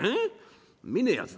見ねえやつだな」。